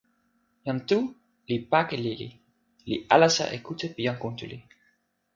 jan Tu li pake lili, li alasa e kute pi jan Kuntuli.